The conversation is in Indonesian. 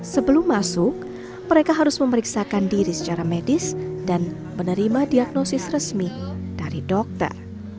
sebelum masuk mereka harus memeriksakan diri secara medis dan menerima diagnosis resmi dari dokter